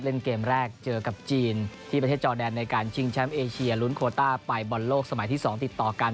เล่นเกมแรกเจอกับจีนที่ประเทศจอแดนในการชิงแชมป์เอเชียลุ้นโคต้าไปบอลโลกสมัยที่๒ติดต่อกัน